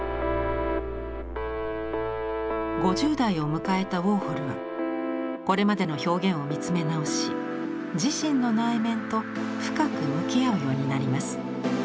５０代を迎えたウォーホルはこれまでの表現を見つめ直し自身の内面と深く向き合うようになります。